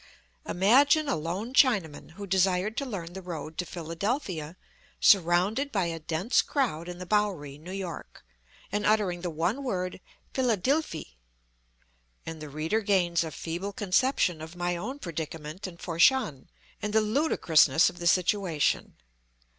Imagine a lone Chinaman who desired to learn the road to Philadelphia surrounded by a dense crowd in the Bowery, New York, and uttering the one word "Phaladilfi," and the reader gains a feeble conception of my own predicament in Fat shan, and the ludicrousness of the situation.